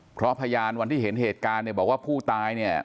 เพราะพยานวันที่เห็นเหตุการณ์เนี่ยบอกว่าผู้ตายเนี่ย